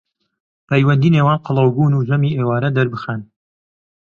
پەیوەندی نێوان قەڵەوبوون و ژەمی ئێوارە دەربخەن